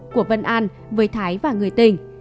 của vân an với thái và người tình